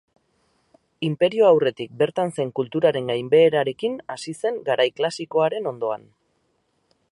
Inperioa aurretik bertan zen kulturaren gainbeherarekin hasi zen garai klasikoaren ondoan.